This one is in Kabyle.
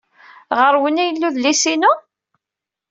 Ɣer-wen ay yella udlis-inu?